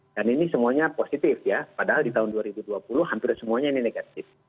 dan ini semuanya positif ya padahal di tahun dua ribu dua puluh hampir semuanya ini negatif